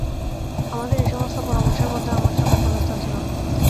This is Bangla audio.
আমাদের এই-সমস্ত পরামর্শের মধ্যে আমার স্বামীর কোনো স্থান ছিল না।